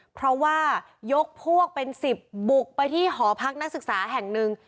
เพราะว่ายกพวกเป็น๑๐บุกไปที่หอพักนักศึกษาแห่งหนึ่ง